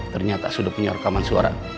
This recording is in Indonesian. ternyata sudah punya rekaman suara